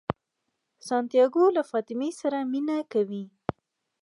سانتیاګو له فاطمې سره مینه کوي.